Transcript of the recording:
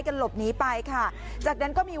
หลบหนีไปค่ะจากนั้นก็มี